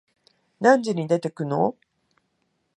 何時に出てくの？